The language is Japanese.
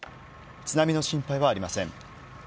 津波の心配はありません。